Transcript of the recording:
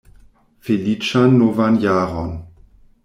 Feliĉan novan jaron!